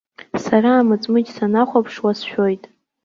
Сара амыҵмыџь санахәаԥшуа, сшәоит.